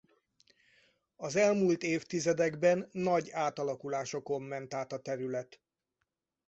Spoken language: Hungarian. Az elmúlt évtizedekben nagy átalakulásokon ment át a terület.